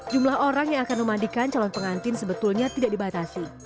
jumlah orang yang akan memandikan calon pengantin sebetulnya tidak dibatasi